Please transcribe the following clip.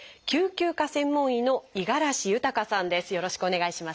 よろしくお願いします。